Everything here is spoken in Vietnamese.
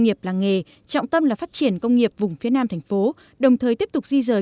nghiệp làng nghề trọng tâm là phát triển công nghiệp vùng phía nam thành phố đồng thời tiếp tục di rời